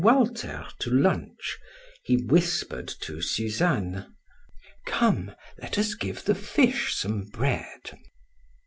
Walter to lunch, he whispered to Suzanne: "Come, let us give the fish some bread."